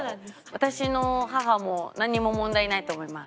私の母も何も問題ないと思います。